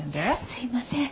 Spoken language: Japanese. すいません。